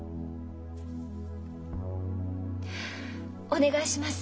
お願いします。